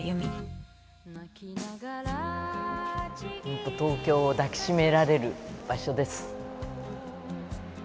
ほんと東京を抱きしめられる場所です。